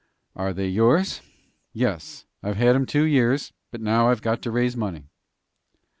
"Are they yours?" "Yes; I've had 'em two years, but now I've got to raise money."